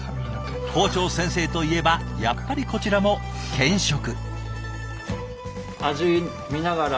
校長先生といえばやっぱりこちらも検食。